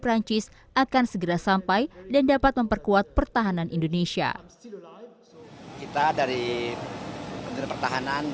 akan segera sampai dan dapat memperkuat pertahanan indonesia